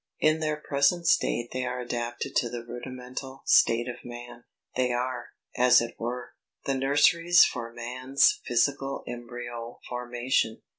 In their present state they are adapted to the rudimental state of man. They are, as it were, the nurseries for man's physical embryo formation.